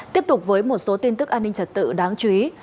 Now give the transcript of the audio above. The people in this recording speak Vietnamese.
tiếp tục với một số tin tức an ninh trật tự đáng chú ý